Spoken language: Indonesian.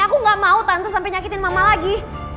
aku gak mau tante sampai nyakitin mama lagi